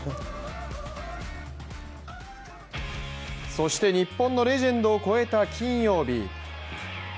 そして日本のレジェンドを超えた金曜日。